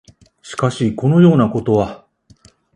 しかし、このようなことは、